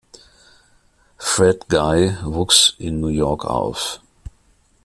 Fred Guy wuchs in New York auf.